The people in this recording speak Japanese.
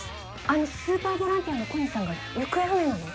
あのスーパーボランティアの小西さんが行方不明なの？